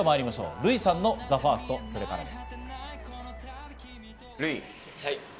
ＲＵＩさんの「ＴＨＥＦＩＲＳＴそれから」です。